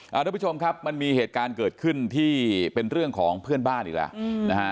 ทุกผู้ชมครับมันมีเหตุการณ์เกิดขึ้นที่เป็นเรื่องของเพื่อนบ้านอีกแล้วนะฮะ